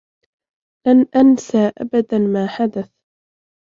لن أنس أبدا ما حدث.